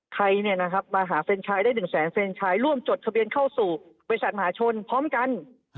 ใครมาหาแฟนชายได้๑แสนเฟรนชายร่วมจดทะเบียนเข้าสู่บริษัทมหาชนพร้อมกัน